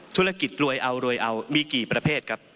ธุรกิจรวยเอามีกี่ประเภทครับ